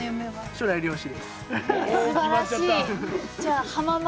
えすばらしい。